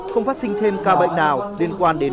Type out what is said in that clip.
không phát sinh thêm ca bệnh nào liên quan đến